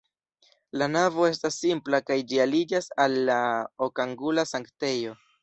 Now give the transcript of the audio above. La navo estas simpla kaj ĝi aliĝas al la okangula sanktejo.